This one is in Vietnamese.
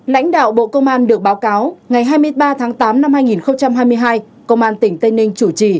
lãnh đạo bộ công an được báo cáo ngày hai mươi ba tháng tám năm hai nghìn hai mươi hai công an tỉnh tây ninh chủ trì